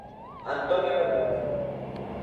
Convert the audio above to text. Antonia Bermúdez.